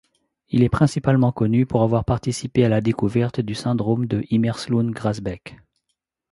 Il est principalement connu pour avoir participé à la découverte du syndrome de Imerslund-Grasbeck.